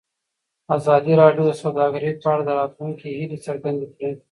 ازادي راډیو د سوداګري په اړه د راتلونکي هیلې څرګندې کړې.